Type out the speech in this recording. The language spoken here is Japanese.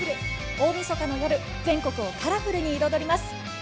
大みそかの夜全国をカラフルに彩ります。